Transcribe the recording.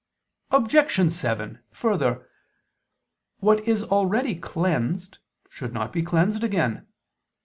Obj. 7: Further, what is already cleansed should not be cleansed again.